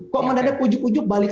kok mendadak pujuk pujuk balik